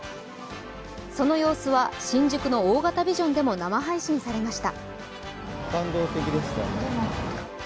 その様子は新宿の大型ビジョンでも生配信されました。